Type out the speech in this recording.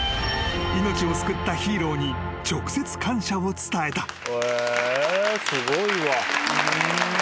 ［命を救ったヒーローに直接感謝を伝えた］